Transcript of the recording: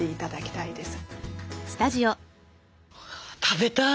食べたい！